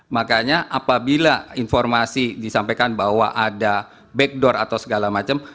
makanya apabila informasi disampaikan bahwa ada backdor atau segala macam